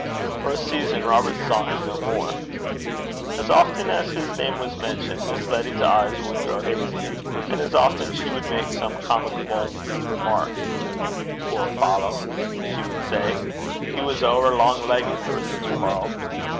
For a season Robert saw him no more. As often as his name was mentioned, Miss Letty's eyes would grow hazy, and as often she would make some comical remark. 'Puir fallow!' she would say, 'he was ower lang leggit for this warld.'